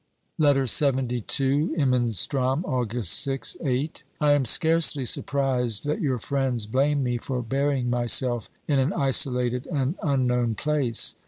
LETTER LXXII Imenstrom, Attgusi 6 (VIII). I am scarcely surprised that your friends blame me for burying myself in an isolated and unknown place.